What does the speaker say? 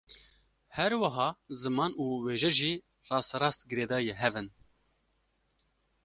Her wiha ziman û wêje jî rasterast girêdayî hev in